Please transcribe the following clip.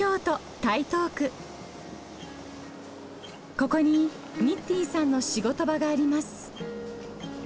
ここにニッティンさんの仕事場があります。